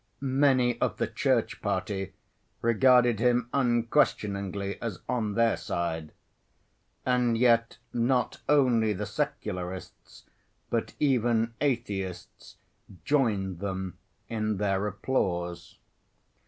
Many of the Church party regarded him unquestioningly as on their side. And yet not only the secularists but even atheists joined them in their applause.